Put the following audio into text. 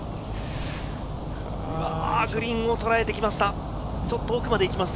グリーンをとらえてきました。